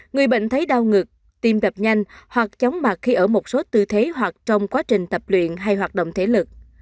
người bệnh thấy đau ngực tiêm đập nhanh hoặc chóng mặt khi ở một số tư thế hoặc trong quá trình tập luyện hay hoạt động thể lực